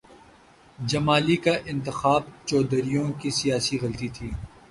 جمالی کا انتخاب چودھریوں کی سیاسی غلطی تھی۔